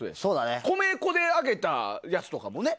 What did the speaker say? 米粉で揚げたやつとかもね。